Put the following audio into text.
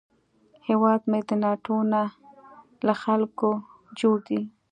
هیواد مې د ناټو نه، له خلکو جوړ دی